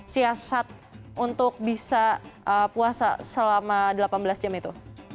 siasat untuk bisa puasa selama delapan belas jam itu